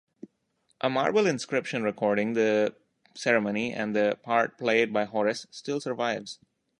A marble inscription recording the ceremony and the part played by Horace still survives.